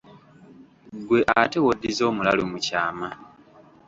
Ggwe ate w'oddiza omulalu mu kyama!